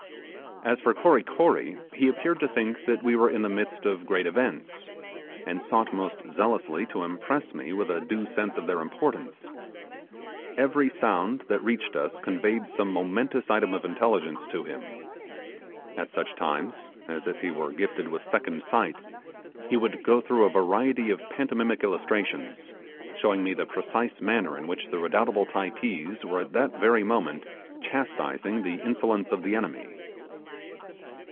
As for Kory Kory, he appeared to think that we were in the midst of great events, and sought most zealously to impress me with a due sense of their importance. Every sound that reached us conveyed some momentous item of intelligence to him. At such times, as if he were gifted with second sight, he would go through a variety of pantomimic illustrations, showing me the precise manner in which the redoubtable Typees were at that very moment chastising the insolence of the enemy.